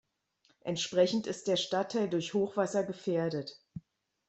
Entsprechend ist der Stadtteil durch Hochwasser gefährdet.